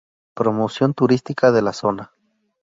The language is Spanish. Promoción turística de la zona.